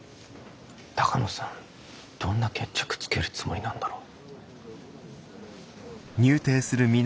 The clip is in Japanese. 鷹野さんどんな決着つけるつもりなんだろう。